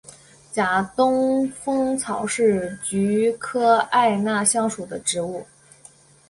假东风草是菊科艾纳香属的植物。